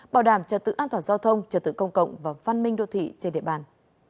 bảo đảm trật tự an toàn giao thông trật tự công cộng và văn minh đô thị trên địa bàn